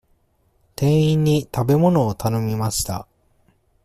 店員に食べ物を頼みました。